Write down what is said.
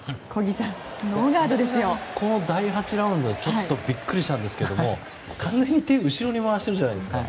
さすがにこの第８ラウンドはちょっとビックリしたんですけど完全に手を後ろに回してるじゃないですか。